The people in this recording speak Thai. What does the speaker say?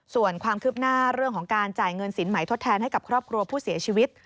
ส่วนความคืบหน้าเรื่องของการจ่ายเงินสินใหม่ทดแทนให้กับครอบครัวผู้เสียชีวิต